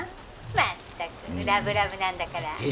まったくラブラブなんだから。